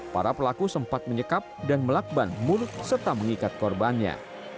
para pelaku sempat menyekap dan melakban mulut serta mengikat korbannya